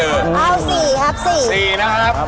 เอา๔ครับ